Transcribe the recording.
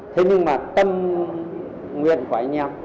thế nhưng mà tâm nguyện của anh em